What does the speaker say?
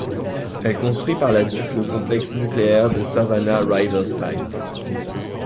Elle construit par la suite le complexe nucléaire de Savannah River Site.